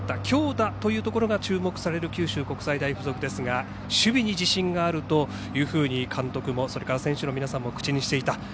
強打というところが注目される九州国際大付属ですが守備に自信があるというふうに監督も選手の皆さんも口にしていた